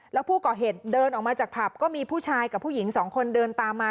แล้วผู้ก่อเหตุเดินออกมาจากผับก็มีผู้ชายกับผู้หญิงสองคนเดินตามมา